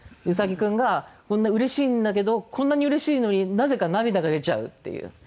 ウサギ君がこんなうれしいんだけどこんなにうれしいのになぜか涙が出ちゃうっていう。